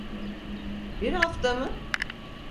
Bir hafta mı?